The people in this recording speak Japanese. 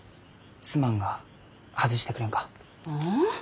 すまんが外してくれんか？